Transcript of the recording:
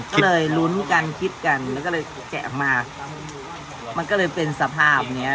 ก็เลยลุ้นกันคิดกันแล้วก็เลยแกะมามันก็เลยเป็นสภาพเนี้ย